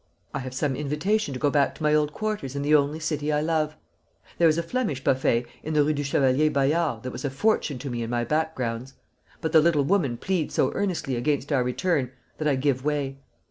I have some invitation to go back to my old quarters in the only city I love; there is a Flemish buffet in the Rue du Chevalier Bayard that was a fortune to me in my backgrounds; but the little woman pleads so earnestly against our return, that I give way.